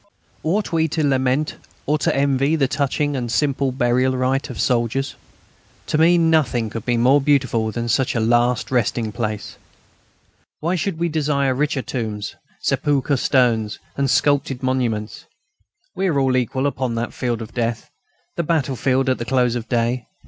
Ought we to lament or to envy the touching and simple burial rite of soldiers? To me, nothing could be more beautiful than such a last resting place. Why should we desire richer tombs, sepulchral stones, and sculptured monuments? We are all equal upon that field of death, the battlefield at the close of day.